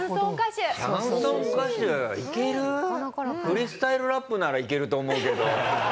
フリースタイルラップならいけると思うけど。